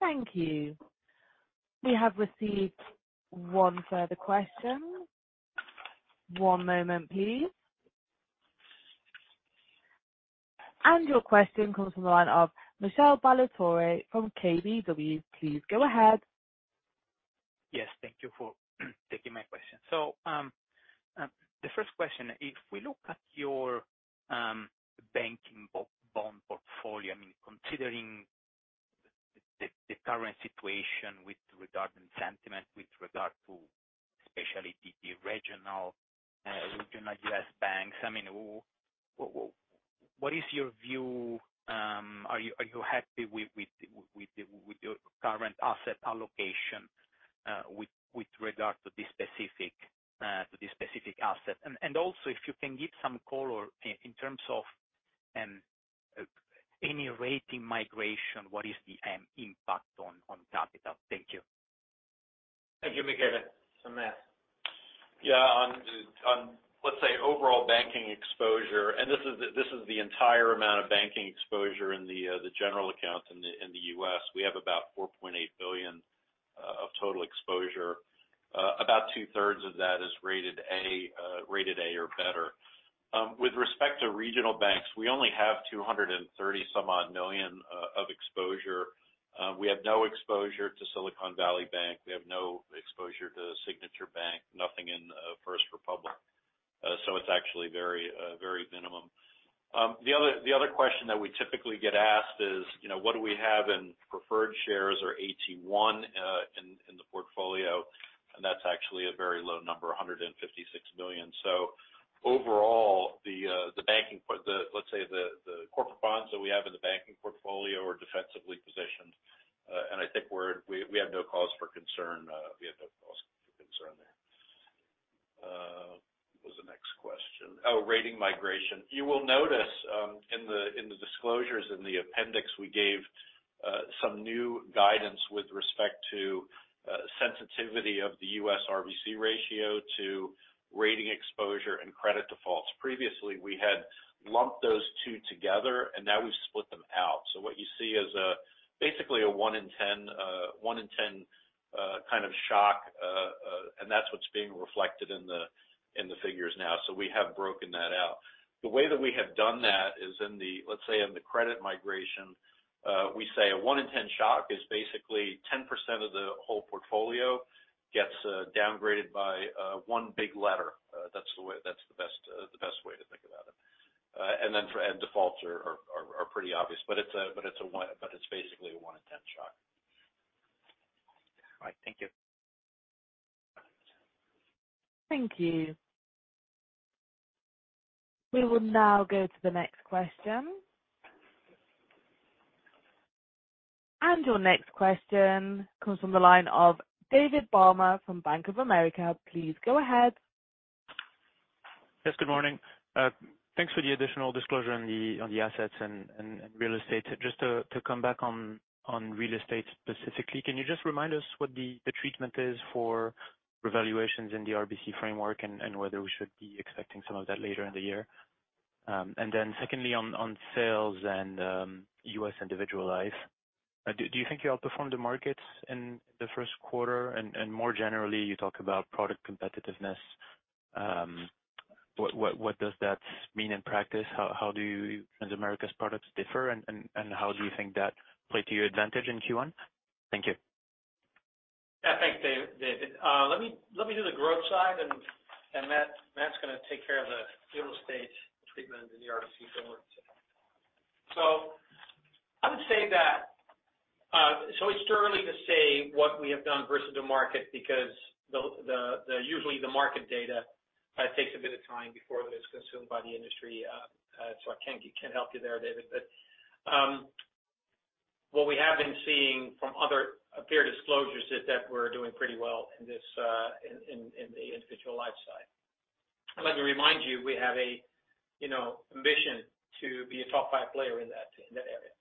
Thank you. We have received one further question. One moment please. Your question comes from the line of Michele Ballatore from KBW. Please go ahead. Yes, thank you for taking my question. The first question, if we look at your banking bond portfolio, considering the current situation with regard and sentiment with regard to especially the regional U.S. banks, what is your view? Are you happy with your current asset allocation with regard to the specific asset? If you can give some color in terms of any rating migration, what is the impact on capital? Thank you. Thank you, Michele. Matt. On, let's say overall banking exposure, this is the entire amount of banking exposure in the general account in the U.S. We have about $4.8 billion of total exposure. About two-thirds of that is rated A, rated A or better. With respect to regional banks, we only have $230 some odd million of exposure. We have no exposure to Silicon Valley Bank. We have no exposure to Signature Bank, nothing in First Republic. It's actually very, very minimum. The other question that we typically get asked is, you know, what do we have in preferred shares or AT1 in the portfolio? That's actually a very low number, $156 million. Overall the, let's say the corporate bonds that we have in the banking portfolio are defensively positioned. I think we have no cause for concern. We have no cause for concern there. What was the next question? Oh, rating migration. You will notice, in the disclosures in the appendix, we gave some new guidance with respect to The sensitivity of the U.S. RBC ratio to rating exposure and credit defaults. Previously, we had lumped those two together, and now we've split them out. What you see is basically a 1 in 10, 1 in 10 kind of shock. That's what's being reflected in the figures now. We have broken that out. The way that we have done that is in the, let's say, in the credit migration, we say a 1 in 10 shock is basically 10% of the whole portfolio gets downgraded by 1 big letter. That's the way, that's the best, the best way to think about it. Then for end defaults are pretty obvious. It's a, but it's basically a 1 in 10 shock. All right. Thank you. Thank you. We will now go to the next question. Your next question comes from the line of David Barma from Bank of America. Please go ahead. Yes, good morning. Thanks for the additional disclosure on the assets and real estate. Just to come back on real estate specifically. Can you just remind us what the treatment is for revaluations in the RBC framework and whether we should be expecting some of that later in the year? Secondly, on sales and U.S. individual life. Do you think you outperformed the markets in the first quarter? More generally, you talk about product competitiveness. What does that mean in practice? How do Transamerica's products differ and how do you think that played to your advantage in Q1? Thank you. Yeah. Thanks, Dave, David. Let me do the growth side, and Matt's gonna take care of the real estate treatment in the RBC framework. I would say that it's too early to say what we have done versus the market because the usually the market data takes a bit of time before it is consumed by the industry. I can't help you there, David. What we have been seeing from other peer disclosures is that we're doing pretty well in this in the individual life side. I'd like to remind you, we have a, you know, ambition to be a top 5 player in that area.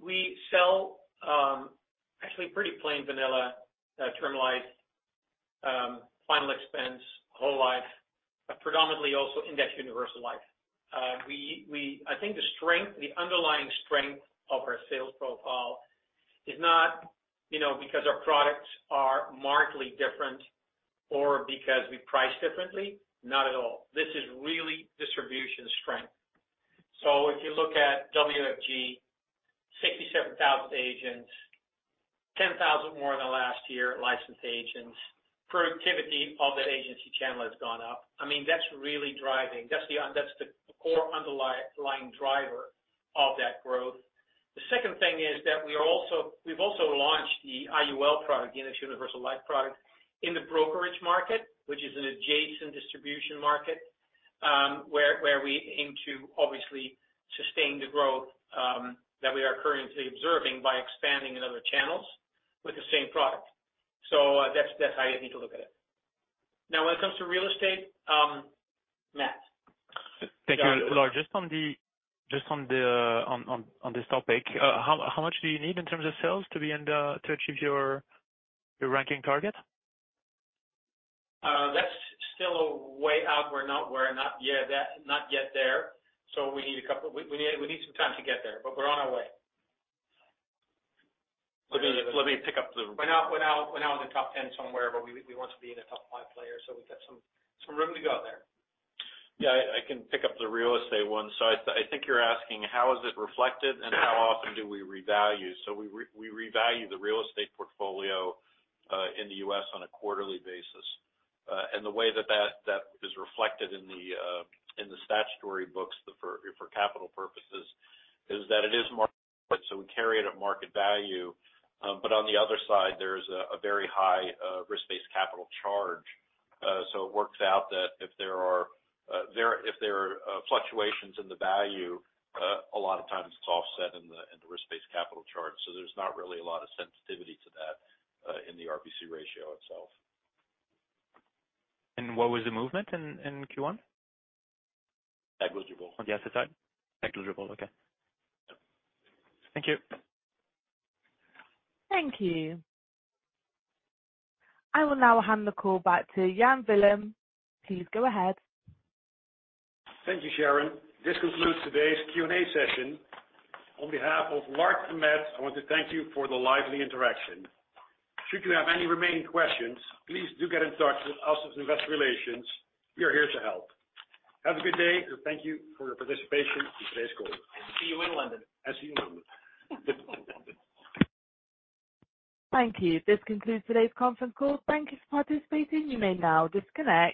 We sell actually pretty plain vanilla term life, final expense whole life, but predominantly also indexed universal life. I think the strength, the underlying strength of our sales profile is not, you know, because our products are markedly different or because we price differently. Not at all. This is really distribution strength. If you look at WFG, 67,000 agents, 10,000 more than the last year licensed agents. Productivity of that agency channel has gone up. I mean, that's really driving. That's the core underlying driver of that growth. The second thing is that we've also launched the IUL product, the Indexed Universal Life product, in the brokerage market, which is an adjacent distribution market, where we aim to obviously sustain the growth, that we are currently observing by expanding in other channels with the same product. That's how you need to look at it. When it comes to real estate, Matt. Thank you. Lard, on this topic, how much do you need in terms of sales to achieve your ranking target? That's still a way out. We're not yet that, not yet there. We need a couple of we need some time to get there, but we're on our way. We're now in the top 10 somewhere, but we want to be in the top five players, we've got some room to go there. Yeah, I can pick up the real estate one. I think you're asking how is it reflected and how often do we revalue? We revalue the real estate portfolio, in the U.S. on a quarterly basis. The way that is reflected in the statutory books for capital purposes is that it is market, so we carry it at market value. On the other side, there's a very high risk-based capital charge. It works out that if there are fluctuations in the value, a lot of times it's offset in the risk-based capital charge. There's not really a lot of sensitivity to that, in the RBC ratio itself. What was the movement in Q1? That was doable. On the asset side? That was doable. Okay. Yeah. Thank you. Thank you. I will now hand the call back to Jan Willem. Please go ahead. Thank you, Sharon. This concludes today's Q&A session. On behalf of Lars and Matt, I want to thank you for the lively interaction. Should you have any remaining questions, please do get in touch with us as investor relations. We are here to help. Have a good day, and thank you for your participation in today's call. See you in London. See you in London. Thank you. This concludes today's conference call. Thank you for participating. You may now disconnect.